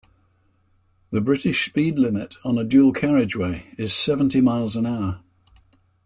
The British speed limit on a dual carriageway is seventy miles an hour